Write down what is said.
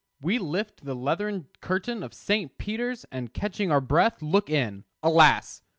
We lift the leathern curtain of St. Peter's, and catching our breath, look in. Alas!